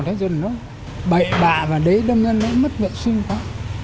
thế dân nó bậy bạ và đấy đông dân nó mất vệ sinh quá